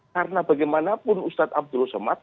karena bagaimanapun ustadz abdul somad